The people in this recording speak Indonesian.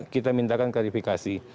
kita minta klarifikasi